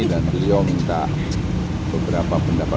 dan beliau minta beberapa pendapat